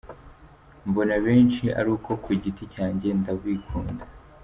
Mbona benshi ariko ku giti cyanjye ndabikunda.